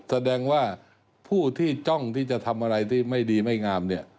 แสดงว่าผู้ที่จ้องที่จะทำอะไรที่ไม่ดีไม่งามเนี่ย